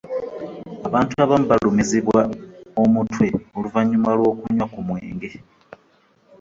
abantu abamu balumizibwa omutwe oluvanyuma lwokunywa ku mwenge.